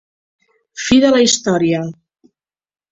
Fi de la història.